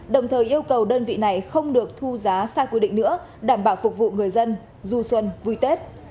đồng thời yêu cầu đơn vị này không được thu giá sai quy định nữa đảm bảo phục vụ người dân du xuân vui tết